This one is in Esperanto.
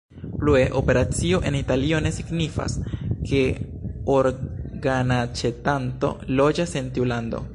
Plue, operacio en Italio ne signifas, ke organaĉetanto loĝas en tiu lando.